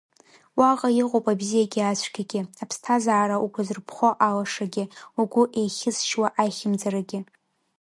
Уаҟа иҟоуп абзиагьы ацәгьагьы, аԥсҭазаара угәазырԥхо алашагьы, угәы еихьызшьуа аихьымӡарагьы.